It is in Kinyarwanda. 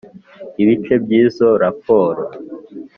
ibice by izo raporo